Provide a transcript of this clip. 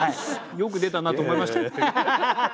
よく出たなと思いましたよ。